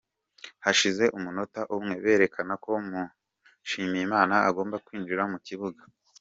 Hashize umunota umwe berekana ko Mushimiyimana agomba kwinjira mu kibuga .